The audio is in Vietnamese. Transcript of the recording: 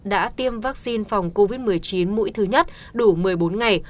đã tiêm vaccine phòng covid một mươi chín mũi thứ nhất đủ một mươi bốn ngày